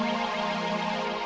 buru lagi nobody seperti lu